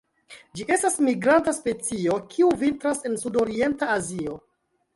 Ĝi estas migranta specio, kiu vintras en sudorienta Azio.